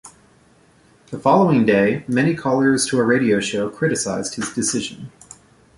The following day, many callers to a radio show criticised his decision.